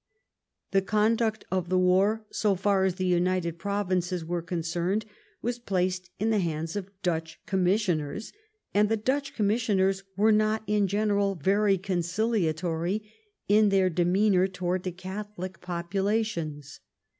The conduct of the war, so far as the United Provinces were concerned, was placed in the hands of Dutch com missioners, and the Dutch commissioners were not in general very conciliatory in their demeanor towards the Catholic populations.